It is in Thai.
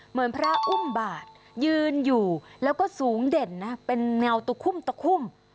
เหมือนพระอุ้มบาทยืนอยู่แล้วก็สูงเด่นนะเป็นเงาตะคุ่มตะคุ่ม